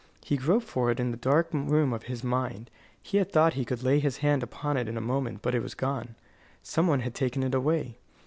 He groped for it in the dark room of his mind. He had thought he could lay his hand upon it in a moment, but it was gone. Some one had taken it away.